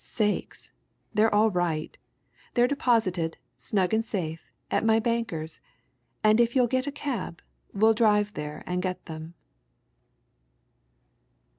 Sakes they're all right! They're deposited, snug and safe, at my bankers, and if you'll get a cab, we'll drive there and get them!"